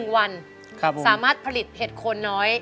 ๑วันสามารถผลิตเห็ดโคนน้อย